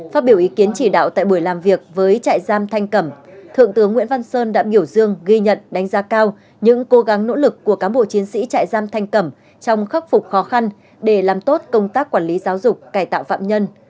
phát biểu ý kiến chỉ đạo tại buổi làm việc với trại giam thanh cẩm thượng tướng nguyễn văn sơn đã biểu dương ghi nhận đánh giá cao những cố gắng nỗ lực của cán bộ chiến sĩ trại giam thanh cẩm trong khắc phục khó khăn để làm tốt công tác quản lý giáo dục cải tạo phạm nhân